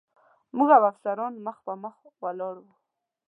موږ او افسران مخ په مخ ولاړ و.